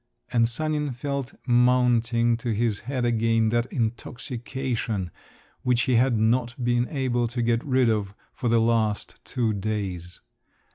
And Sanin felt mounting to his head again that intoxication which he had not been able to get rid of for the last two days.